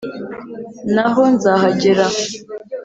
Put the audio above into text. Naho nzahagera